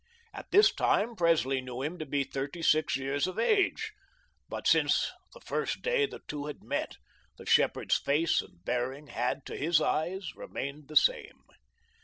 At this time, Presley knew him to be thirty six years of age. But since the first day the two had met, the shepherd's face and bearing had, to his eyes, remained the same.